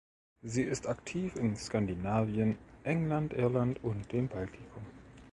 Sie ist aktiv in Skandinavien, England-Irland und dem Baltikum.